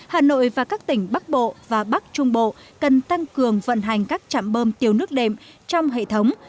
hà nội và các tỉnh bắc bộ và bắc trung bộ cần tăng cường vận hành các trạm bơm tiêu nước đệm trong hệ thống